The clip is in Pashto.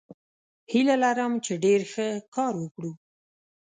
هیله لرم چې ډیر ښه کار وکړو.